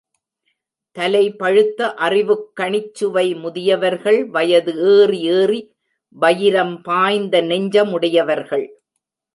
தலை பழுத்த அறிவுக் கணிச்சுவை முதியவர்கள் வயது ஏறி ஏறி வயிரம் பாய்த்த நெஞ்சமுடையவர்கள்!